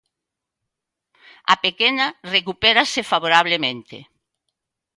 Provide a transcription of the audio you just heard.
A pequena recupérase favorablemente.